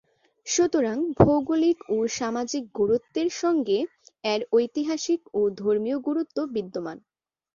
সুতরাং ভৌগোলিক ও সামাজিক গুরুত্বের সঙ্গে এর ঐতিহাসিক ও ধর্মীয় গুরুত্ব বিদ্যমান।